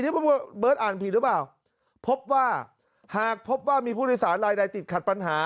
เบิร์ตอ่านผิดหรือเปล่าพบว่าหากพบว่ามีผู้โดยสารลายใดติดขัดปัญหา